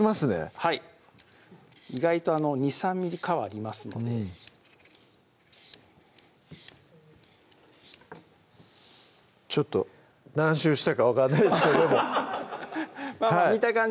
はい意外と２３ｍｍ皮ありますのでちょっと何周したか分かんないですけど見た感じ